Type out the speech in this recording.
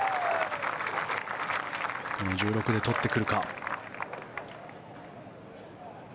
１６で取ってくるか。